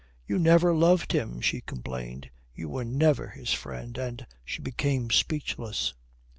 "You never loved him," she complained. "You were never his friend," and she became speechless.